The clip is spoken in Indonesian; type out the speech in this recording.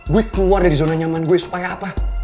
gue keluar dari zona nyaman gue supaya apa